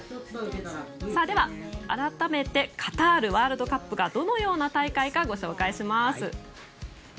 では、改めてカタールワールドカップがどのような大会かご紹介します。